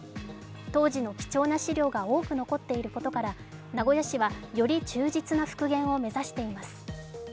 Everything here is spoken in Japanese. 当時の貴重な資料が多く残っていることから名古屋市はより忠実な復元を目指しています。